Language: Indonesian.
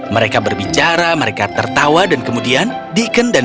mereka berbicara mereka tertawa dan kemudian deacon dan mary menghubungi colin